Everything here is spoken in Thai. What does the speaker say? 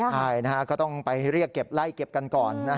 ใช่ก็ต้องไปเรียกเก็บไล่เก็บกันก่อน